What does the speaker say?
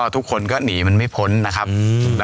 ทุกคนก็หนีมันไม่พ้นนะครับ